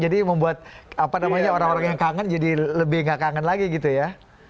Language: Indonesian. jadi membuat orang orang yang kangen jadi lebih nggak kangen lagi gitu ya